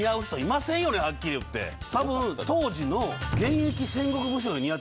多分当時の現役。